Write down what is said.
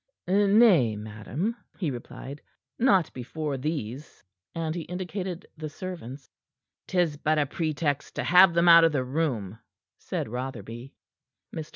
"Nay, madam," he replied, "not before these." And he indicated the servants. "'Tis but a pretext to have them out of the room," said Rotherby. Mr.